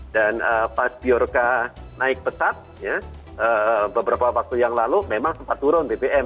dan pas biorca naik betap beberapa waktu yang lalu memang sempat turun bbm